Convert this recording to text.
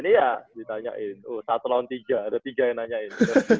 ini ya ditanyain satu lawan tiga ada tiga yang nanyain